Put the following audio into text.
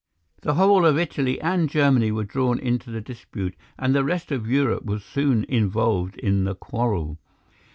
The whole of Italy and Germany were drawn into the dispute, and the rest of Europe was soon involved in the quarrel.